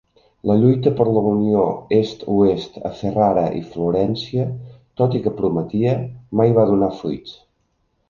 La lluita per la unió Est-Oest a Ferrara i Florència, tot i que prometia, mai va donar fruits.